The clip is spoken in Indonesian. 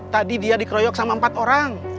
tadi dia dikeroyok sama empat orang